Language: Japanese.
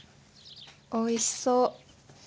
おいしそう！